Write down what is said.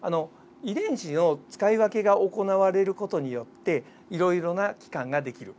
遺伝子の使い分けが行われる事によっていろいろな器官ができる。